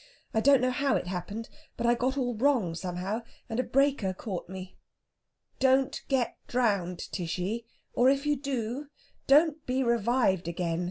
I don't know how it happened, but I got all wrong somehow, and a breaker caught me. Don't get drowned, Tishy; or, if you do, don't be revived again!